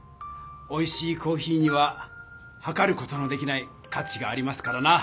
おいしいコーヒーには量る事のできない価値がありますからな。